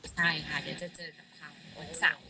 ใช่ค่ะเดี๋ยวจะเจอกับเขาวันเสาร์